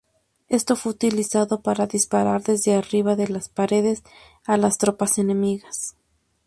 Esto fue utilizado para disparar desde arriba de las paredes a las tropas enemigas.